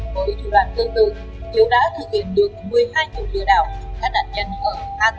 với thủ đoàn tương tự thiếu đã thực hiện được một mươi hai thủ đưa đảo cho các đàn nhân ở hà tĩnh nghệ an hà nội hà nam quảng ngãi khánh khoảng